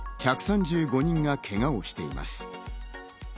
１３５人がけがをしています。